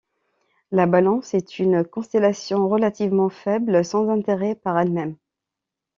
La Balance est une constellation relativement faible, sans intérêt par elle-même.